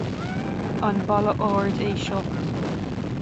An balla ard é seo